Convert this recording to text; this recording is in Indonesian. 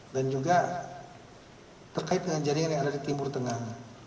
dan juga terkait dengan jaringan yang ada di timur tengah